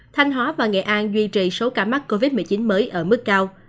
thanh hóa và nghệ an duy trì số ca mắc covid một mươi chín mới ở mức cao